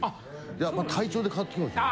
いや体調で変わってきますね。